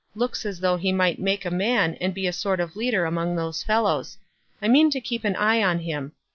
Looks as though he might make a man, and bo a sort of leader among those fellows. I mean to keep an eye on him.